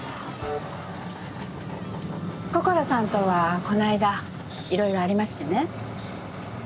心さんとはこないだいろいろありましてね。